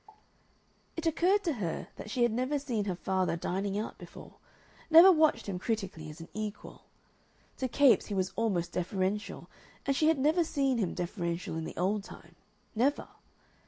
It occurred to her that she had never seen her father dining out before, never watched him critically as an equal. To Capes he was almost deferential, and she had never seen him deferential in the old time, never.